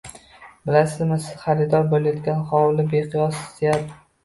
Bilasizmi, siz xaridor bo`layotgan hovli bexosiyat